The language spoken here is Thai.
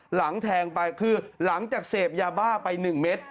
แทงไปคือหลังจากเสพยาบ้าไป๑เม็ด